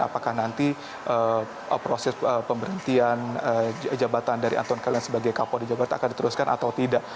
apakah nanti proses pemberhentian jabatan dari anton karlian sebagai kapolda jawa barat akan diteruskan atau tidak